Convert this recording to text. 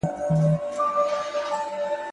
خلگو نه زړونه اخلې خلگو څخه زړونه وړې ته؛